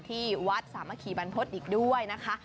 ที่วัดสามัคคีบรรพฤษอีกด้วยนะคะ